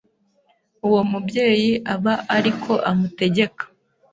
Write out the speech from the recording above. " Uwo mubyeyi aba ariko amutegeka.